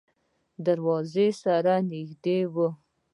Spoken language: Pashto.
د دروازې سره نږدې و.